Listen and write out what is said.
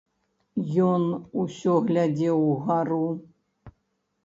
Ён усё глядзеў угару.